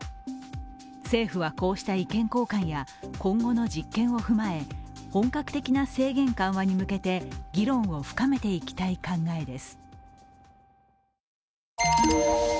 政府はこうした意見交換や今後の実験を踏まえ本格的な制限緩和に向けて議論を深めていきたい考えです。